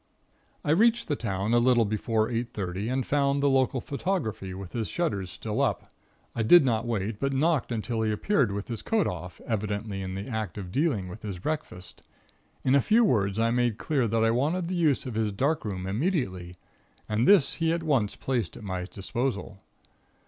I reached the town a little before eight thirty, and found the local photographer with his shutters still up. I did not wait, but knocked until he appeared with his coat off, evidently in the act of dealing with his breakfast. In a few words I made clear that I wanted the use of his dark room immediately, and this he at once placed at my disposal.